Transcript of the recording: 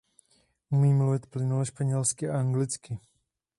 Umí mluvit plynule španělsky a anglicky.